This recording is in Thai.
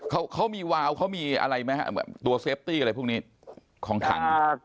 เขาเขามีวาวเขามีอะไรไหมฮะเหมือนตัวเซฟตี้อะไรพวกนี้ของถัง